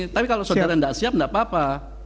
tapi kalau saudara enggak siap enggak apa apa